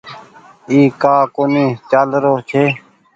اي ڪآ ڪونيٚ چآلرو ڇي۔